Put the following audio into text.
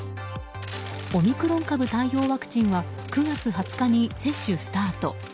オミクロン株対応ワクチンは９月２０日に接種スタート。